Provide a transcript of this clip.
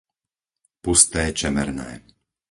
Pusté Čemerné